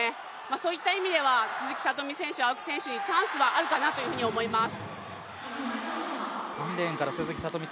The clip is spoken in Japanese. そういった意味では、鈴木聡美選手青木選手にチャンスはあるかなというふうに思います。